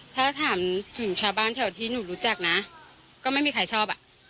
ถ้าถามถึงชาวบ้านแถวที่หนูรู้จักนะก็ไม่มีใครชอบอ่ะ